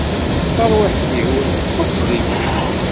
Tarwiḥt-iw teṭṭef deg-k.